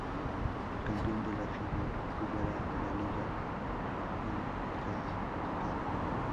El campeón de la final jugará la Liga Concacaf.